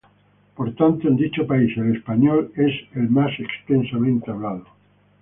Por tanto, en dicho país el español es el más extensamente hablado.